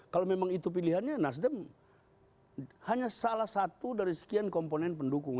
kalau memang itu pilihannya nasdem hanya salah satu dari sekian komponen pendukung